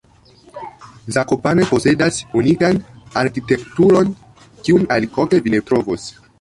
Zakopane posedas unikan arkitekturon, kiun aliloke vi ne trovos.